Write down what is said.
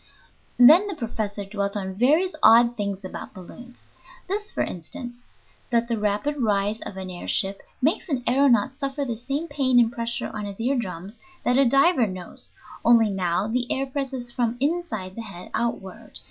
Then the professor dwelt upon various odd things about balloons this, for instance, that the rapid rise of an air ship makes an aëronaut suffer the same pain and pressure on his ear drums that a diver knows, only now the air presses from inside the head outward.